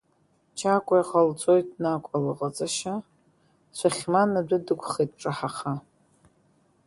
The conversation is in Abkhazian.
Чакәа иҟалҵоит Накәа лыҟаҵашьа, цәыхьман адәы дықәхеит дҿаҳаха…